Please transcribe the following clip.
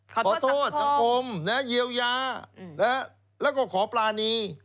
ขอโทษอมโยยาและก็ขอปลานิ